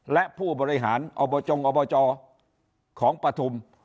และผู้บริหารอบจงอบจของปฐุม